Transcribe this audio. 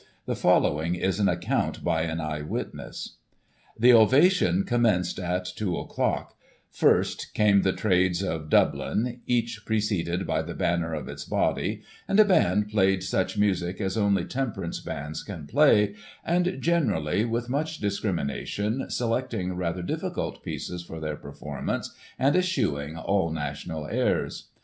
The following is cm account by an eye witness : Digitized by Google 234 GOSSIP. [1844 " The ovation commenced at two o'clock First came the trades of Dublin, each preceded by the banner of its body, and a band playing such music as only temperance bands can play, and, generally, with much discrimination, selecting rather difficult pieces for their performance, and eschewing all national airs.